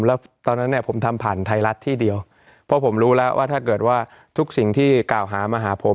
แล้วตอนนั้นเนี่ยผมทำผ่านไทยรัฐที่เดียวเพราะผมรู้แล้วว่าถ้าเกิดว่าทุกสิ่งที่กล่าวหามาหาผม